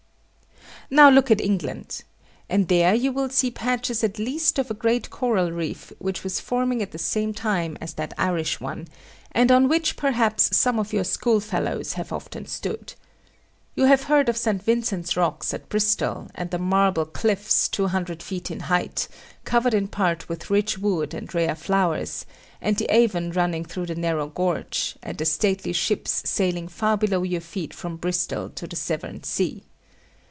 Now look at England, and there you will see patches at least of a great coral reef which was forming at the same time as that Irish one, and on which perhaps some of your schoolfellows have often stood. You have heard of St. Vincent's Rocks at Bristol, and the marble cliffs, 250 feet in height, covered in part with rich wood and rare flowers, and the Avon running through the narrow gorge, and the stately ships sailing far below your feet from Bristol to the Severn sea.